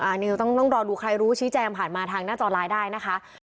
อันนี้ต้องรอดูใครรู้ชี้แจงผ่านมาทางหน้าจอไลน์ได้นะคะ